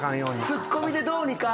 ツッコミでどうにか。